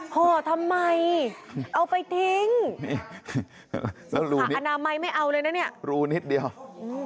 ห่อทำไมเอาไปทิ้งผ้าอนามัยไม่เอาเลยนะเนี้ยรูนิดเดียวอืม